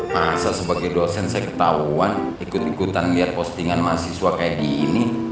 masa sebagai dosen saya ketahuan ikut ikutan liat postingan mahasiswa kayak gini